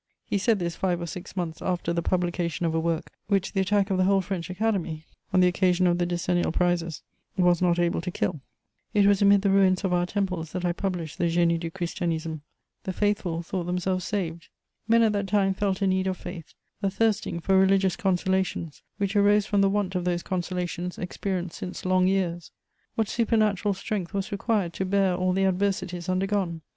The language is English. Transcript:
He said this five or six months after the publication of a work which the attack of the whole French Academy, on the occasion of the decennial prizes, was not able to kill. [Sidenote: I publish my chief work.] It was amid the ruins of our temples that I published the Génie du Christianisme. The faithful thought themselves saved: men at that time felt a need of faith, a thirsting for religious consolations, which arose from the want of those consolations experienced since long years. What supernatural strength was required to bear all the adversities undergone!